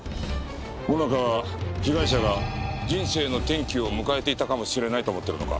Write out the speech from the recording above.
萌奈佳は被害者が人生の転機を迎えていたかもしれないと思っているのか？